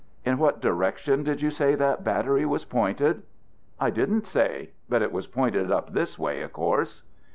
"In what direction did you say that battery was pointed?" "I didn't say; but it was pointed up this way, of course."